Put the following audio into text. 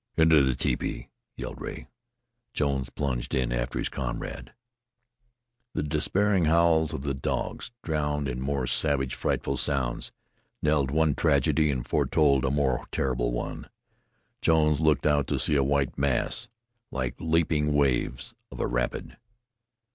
"Into the tepee!" yelled Rea. Jones plunged in after his comrade. The despairing howls of the dogs, drowned in more savage, frightful sounds, knelled one tragedy and foreboded a more terrible one. Jones looked out to see a white mass, like leaping waves of a rapid.